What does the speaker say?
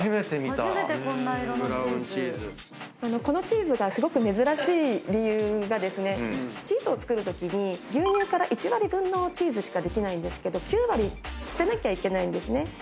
このチーズがすごく珍しい理由がですねチーズを作るときに牛乳から１割分のチーズしかできないんですけど９割捨てなきゃいけないんですね。